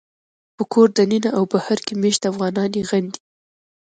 په کور دننه او بهر کې مېشت افغانان یې غندي